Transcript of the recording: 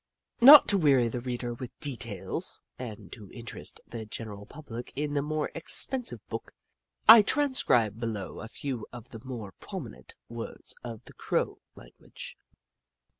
Not to weary the reader with details, and to interest the general public in the more expen sive book, I transcribe below a few of the more prominent words of the Crow language.